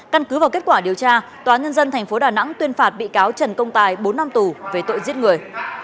căn cứ vào kết quả điều tra tòa nhân dân tp đà nẵng tuyên phạt bị cáo trần công tài bốn năm tù về tội giết người